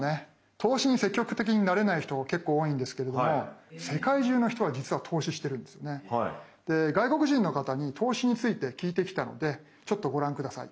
投資に積極的になれない人が結構多いんですけれども外国人の方に投資について聞いてきたのでちょっとご覧下さい。